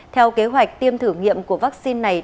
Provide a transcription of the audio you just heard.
theo kế hoạch tiêm thử nghiệm của vaccine này